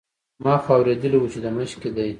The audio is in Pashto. ما خو اورېدلي وو چې د مشق کې دی.